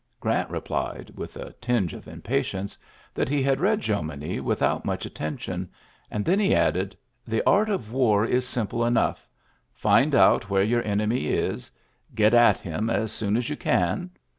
Grant replied, with a tinge of impatience, that he had read Jomini without much attention^ and then he added : "The art of war is simple enough. Find out where your enemy is. Get at him as soon as you can.